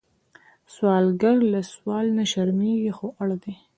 سوالګر له سوال نه شرمېږي، خو اړ دی